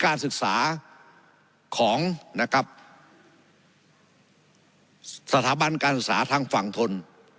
การศึกษาของนะครับสถาบันการศึกษาทางฝั่งทน